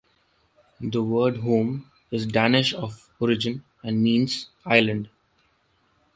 The word Holme is Danish of origin and means "island".